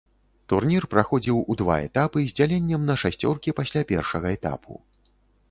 Турнір праходзіў у два этапы з дзяленнем на шасцёркі пасля першага этапу.